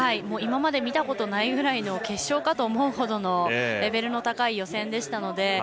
今まで見たことないぐらいの決勝かと思うほどのレベルの高い予選でしたので。